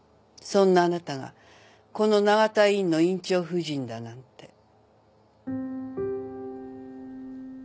そんなあなたがこの永田医院の院長夫人だなんて。